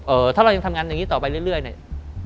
ถ้าเรายังทำงานอย่างนี้ต่อไปเรื่อยเนี่ย